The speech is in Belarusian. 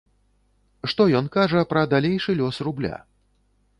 Што ён кажа пра далейшы лёс рубля?